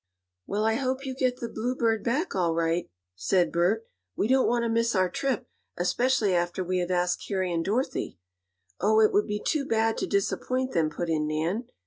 "Well, I hope you get the Bluebird back all right," said Bert. "We don't want to miss our trip, especially after we have asked Harry and Dorothy." "Oh, it would be too bad to disappoint them," put in Nan.